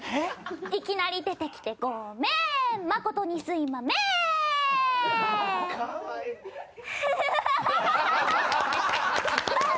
いきなり出てきてごめん誠にすいまめん！